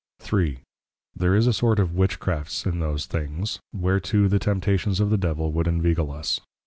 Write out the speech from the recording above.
III. There is a sort of Witchcrafts in those things, whereto the Temptations of the Devil would inveigle us.